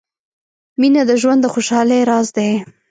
• مینه د ژوند د خوشحالۍ راز دی.